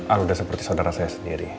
al udah seperti saudara saya sendiri